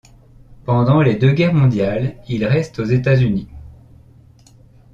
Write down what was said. Pendant les deux guerres mondiales, il reste aux États-Unis.